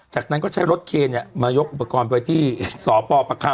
จากนั้นก็ใช้รถเคเนี่ยมายกอุปกรณ์ไปที่ศปประคัม